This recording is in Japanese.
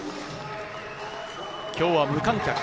今日は無観客。